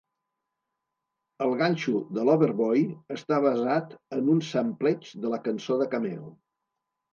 El ganxo de Loverboy està basat en un sampleig de la cançó de Cameo.